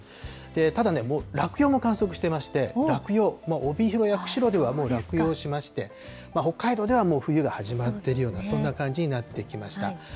ただね、落葉も観測していまして、落葉、帯広や釧路では、もう落葉しまして、北海道では、もう冬が始まってるような、そんな感じになってきました。